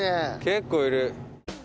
結構いる。